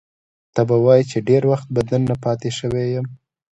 ته به وایې چې ډېر وخت به دننه پاتې شوی یم.